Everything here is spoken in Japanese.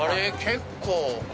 結構。